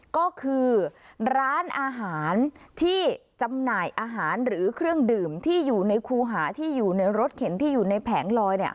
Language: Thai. ก็คือร้านอาหารที่จำหน่ายอาหารหรือเครื่องดื่มที่อยู่ในคูหาที่อยู่ในรถเข็นที่อยู่ในแผงลอยเนี่ย